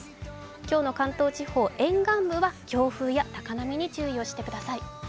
今日の関東地方、沿岸部は強風や高波に注意してください。